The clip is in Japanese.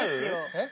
えっ？